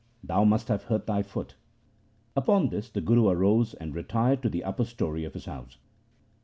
Thou must have hurt thy foot.' Upon this the Guru arose and retired to the upper story of his house.